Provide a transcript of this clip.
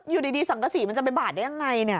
อยู่ดีสังกษีมันจะไปบาดได้ยังไงเนี่ย